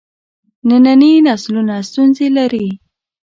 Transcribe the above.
ننني نسلونه ستونزې لري.